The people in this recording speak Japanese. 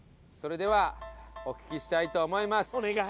それではお聞きしたいと思います。